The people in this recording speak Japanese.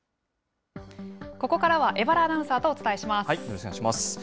ここからは江原アナウンサーとお伝えします。